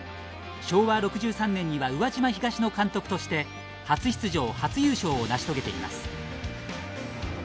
昭和６３年には宇和島東の監督として初出場初優勝を成し遂げています。